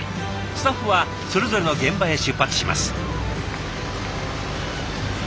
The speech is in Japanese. スタッフはそれぞれの現場へ出発します。